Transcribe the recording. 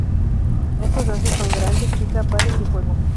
Estos lances son: "grande", "chica", "pares" y "juego".